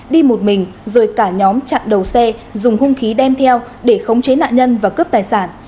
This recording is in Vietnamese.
đi một mình rồi cả nhóm chặn đầu xe dùng hung khí đem theo để khống chế nạn nhân và cướp tài sản